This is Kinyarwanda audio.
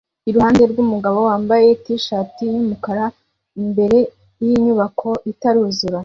iruhande rwumugabo wambaye t-shati yumukara imbere yinyubako itaruzura